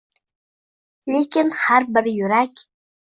Lekin har bir yurak